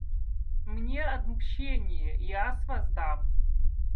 Мне отмщение, и Аз воздам.